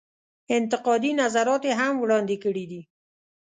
انتقادي نظرات یې هم وړاندې کړي دي.